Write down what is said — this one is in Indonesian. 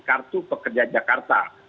kartu pekerja jakarta